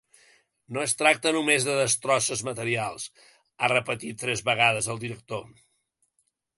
No es tracta només de destrosses materials, ha repetit tres vegades el director.